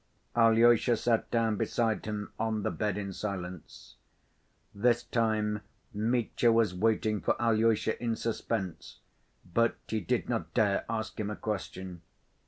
Alyosha sat down beside him on the bed in silence. This time Mitya was waiting for Alyosha in suspense, but he did not dare ask him a question.